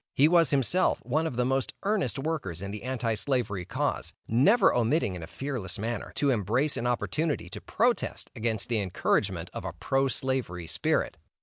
He was himself, one of the most earnest workers in the Anti slavery cause, never omitting in a fearless manner, to embrace an opportunity to protest against the encouragement of a pro slavery spirit.